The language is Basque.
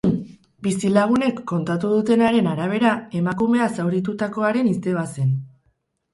Bizilagunek kontatu dutenaren arabera, emakumea zauritutakoaren izeba zen.